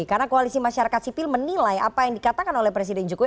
karena koalisi masyarakat sipil menilai apa yang dikatakan oleh presiden jokowi